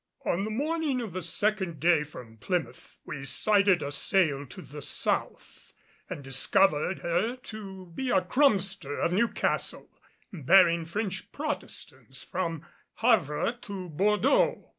On the morning of the second day from Plymouth we sighted a sail to the south, and discovered her to be a crumster of New Castle, bearing French Protestants from Havre to Bordeaux.